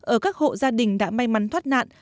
ở các hộ gia đình đã may mắn thoát nạn